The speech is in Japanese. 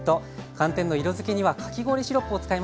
寒天の色づきにはかき氷シロップを使います。